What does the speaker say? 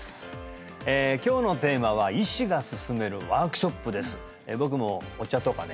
今日のテーマは医師がすすめるワークショップです